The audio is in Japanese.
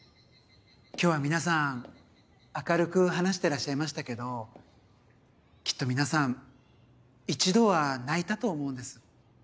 今日は皆さん明るく話してらっしゃいましたけどきっと皆さん一度は泣いたと思うんです。